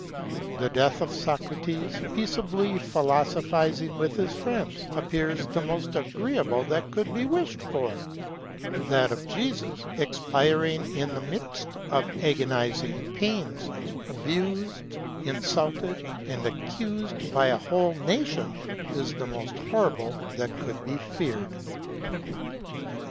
The death of Socrates, peaceably philosophizing with his friends, appears the most agreeable that could be wished for; that of Jesus, expiring in the midst of agonizing pains, abused, insulted, and accused by a whole nation, is the most horrible that could be feared.